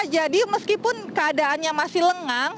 jadi meskipun keadaannya masih lengang